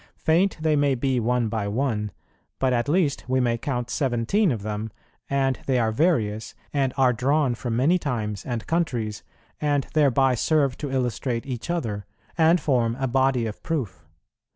Faint they may be one by one, but at least we may count seventeen of them, and they are various, and are drawn from many times and countries, and thereby serve to illustrate each other, and form a body of proof.